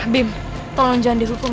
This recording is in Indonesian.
bim tolong jangan dihukum